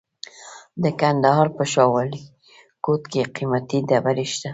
د کندهار په شاه ولیکوټ کې قیمتي ډبرې شته.